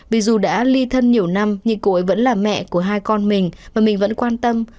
vì dù đã ly thân nhiều năm nhưng cô ấy vẫn là mẹ của hai con mình và mình vẫn quan tâm